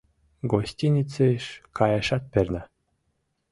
Гостиницыш каяшет перна.